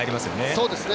そうですね。